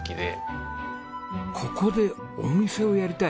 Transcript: ここでお店をやりたい！